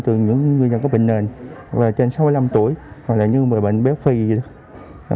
từ những người dân có bệnh nền hoặc là trên sáu mươi năm tuổi hoặc là như bệnh béo phi gì đó